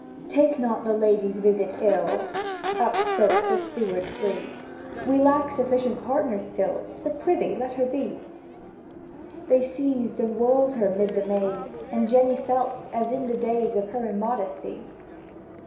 "Take not the lady's visit ill!" Upspoke the steward free; "We lack sufficient partners still, So, prithee let her be!" They seized and whirled her 'mid the maze, And Jenny felt as in the days Of her immodesty.